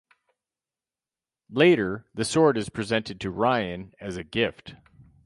Later, the sword is presented to Ryan as a gift.